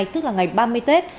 tức là ngày ba mươi tết